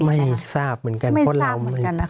ไม่ทราบเหมือนกันไม่ทราบเหมือนกันนะคะ